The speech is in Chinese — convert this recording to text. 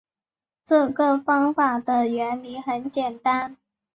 这个方法的原理很简单